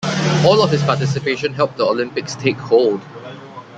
All of his participation helped the Olympics take hold.